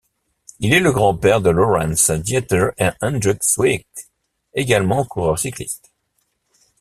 Il est le grand-père de Laurens, Diether et Hendrik Sweeck, également coureurs cyclistes.